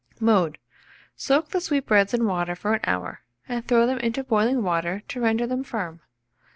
Mode. Soak the sweetbreads in water for an hour, and throw them into boiling water to render them firm.